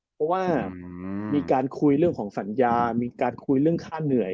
เพราะว่ามีการคุยเรื่องของสัญญามีการคุยเรื่องค่าเหนื่อย